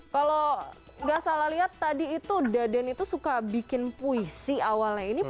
kalau nggak salah lihat tadi itu daden itu suka bikin puisi awalnya ini